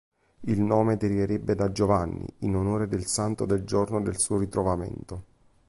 Il nome deriverebbe da Giovanni, in onore del Santo del giorno del suo ritrovamento.